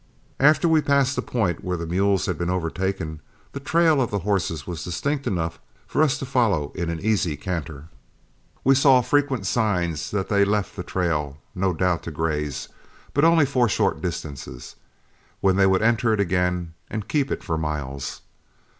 After we passed the point where the mules had been overtaken, the trail of the horses was distinct enough for us to follow in an easy canter. We saw frequent signs that they left the trail, no doubt to graze, but only for short distances, when they would enter it again, and keep it for miles.